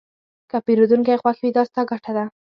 که پیرودونکی خوښ وي، دا ستا ګټه ده.